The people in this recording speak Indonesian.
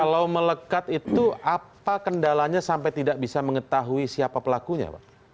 kalau melekat itu apa kendalanya sampai tidak bisa mengetahui siapa pelakunya pak